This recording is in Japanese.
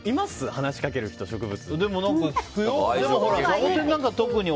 話しかける人、植物に。